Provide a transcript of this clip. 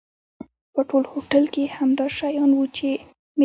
په ټول هوټل کې همدا شیان و چې مې راوړل.